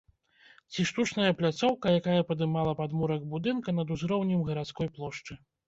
Ці штучная пляцоўка, якая падымала падмурак будынка над узроўнем гарадской плошчы.